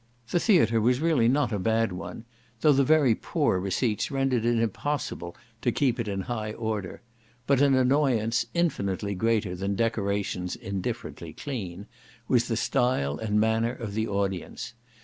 The theatre was really not a bad one, though the very poor receipts rendered it impossible to keep it in high order; but an annoyance infinitely greater than decorations indifferently clean, was the style and manner of the audience.